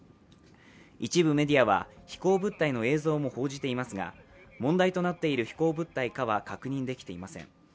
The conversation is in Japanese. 一部メディアは、飛行物体の映像も報じていますが問題となっている飛行物体かは確認できていません。